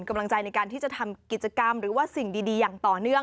กำลังใจในการที่จะทำกิจกรรมหรือว่าสิ่งดีอย่างต่อเนื่อง